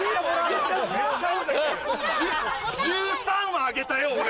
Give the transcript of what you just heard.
１３はあげたよ俺。